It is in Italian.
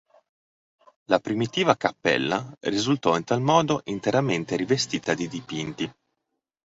La primitiva cappella risultò in tal modo interamente rivestita di dipinti.